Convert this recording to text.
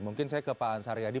mungkin saya ke pak ansar yadi